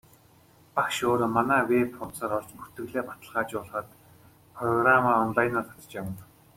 Багш өөрөө манай веб хуудсаар орж бүртгэлээ баталгаажуулаад программаа онлайнаар татаж авна.